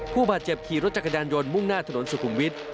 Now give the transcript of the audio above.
ผู้บาดเจ็บขี่รถจักรยานยนต์มุ่งหน้าถนนสุขุมวิทย์